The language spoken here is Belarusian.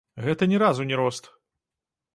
Гэта ні разу не рост.